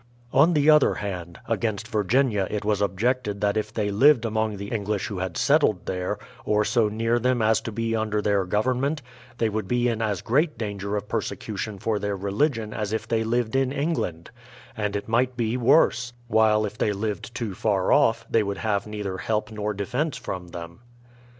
U THE PLYMOUTH SETTLEMENT 25 On the other hand, against Virginia it was objected that if they Hved among the Enghsh who had settled there, or so near them as to be under their government, they would be in as great danger of persecution for their religion as if they lived in England, — and it might be, worse; while, if they lived too far off, they would have neither help nor defence from them.